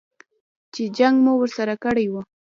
چې جنګ مو ورسره کړی و.